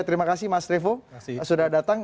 terima kasih mas revo sudah datang